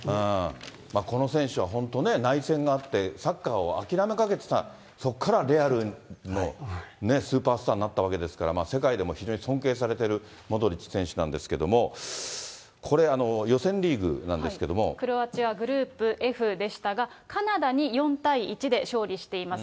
この選手は本当ね、内戦があって、サッカーを諦めかけてた、そこからレアルのスーパースターになったわけですから、世界でも非常に尊敬されているモドリッチ選手なんですけれども、これ、予選リーグなんですけれども。クロアチア、グループＦでしたが、カナダに４対１で勝利しています。